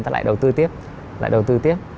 người ta lại đầu tư tiếp